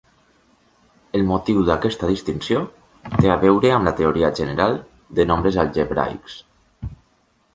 El motiu d'aquesta distinció té a veure amb la teoria general de nombres algebraics.